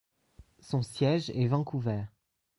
Son siège est Vancouver.